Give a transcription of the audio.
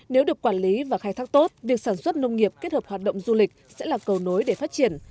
nếu được quản lý và khai thác tốt việc sản xuất nông nghiệp kết hợp hoạt động du lịch sẽ là cầu nối để phát triển